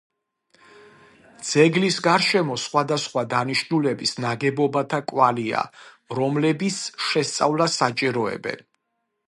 ძეგლის გარშემო სხვადასხვა დანიშნულების ნაგებობათა კვალია, რომლებიც შესწავლას საჭიროებენ.